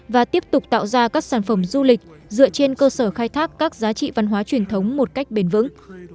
và tiếp tục tạo ra các sản phẩm du lịch dựa trên cơ sở khai thác các giá trị văn hóa truyền thống một cách bền vững